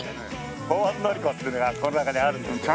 香園教子っていうのがこの中にあるんですけどね。